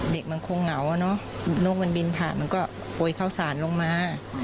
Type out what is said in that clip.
เด็กมันคงเหงาอะเนาะนกมันบินผ่านมันก็โปรยข้าวสารลงมา